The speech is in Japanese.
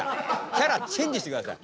キャラチェンジしてください。